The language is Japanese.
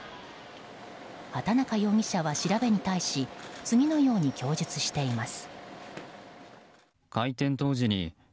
畑中容疑者は調べに対し次のように供述しています。